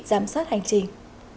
giám sát hành trình